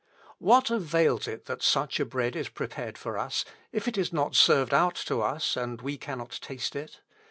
"What avails it that such a bread is prepared for us, if it is not served out to us, and we cannot taste it?...